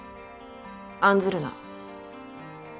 案ずるな。